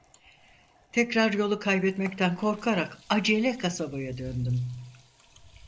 Tekrar yolu kaybetmekten korkarak acele kasabaya döndüm.